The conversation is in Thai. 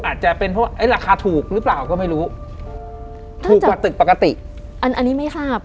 อาจจะเป็นเพราะว่าไอ้ราคาถูกหรือเปล่าก็ไม่รู้ถูกกว่าตึกปกติอันนี้ไม่ทราบ